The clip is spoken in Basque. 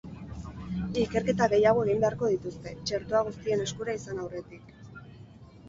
Ikerketa gehiago egin beharko dituzte, txertoa guztien eskura izan aurretik.